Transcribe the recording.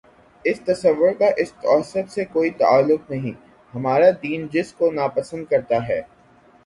اس تصور کا اس تعصب سے کوئی تعلق نہیں، ہمارا دین جس کو ناپسند کر تا ہے۔